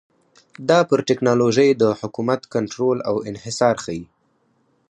دا پر ټکنالوژۍ د حکومت کنټرول او انحصار ښيي